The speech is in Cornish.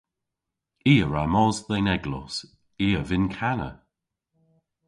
I a wra mos dhe'n eglos. I a vynn kana.